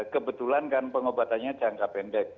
kebetulan kan pengobatannya jangka pendek